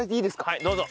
はいどうぞ。